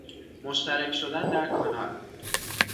مشترک شدن در کانال